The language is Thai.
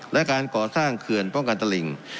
และการก่อสร้างเขื่อนป้องกันตลิ่ง